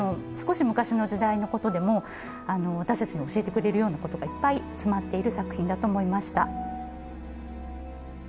少し昔の時代のことでも私たちに教えてくれるようなことがいっぱい詰まっている作品だと思いました。